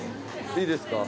いいですか？